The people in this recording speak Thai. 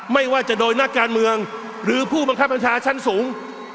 ไม่ว่าจะโดยนักการเมืองหรือผู้บังคับบัญชาชั้นสูง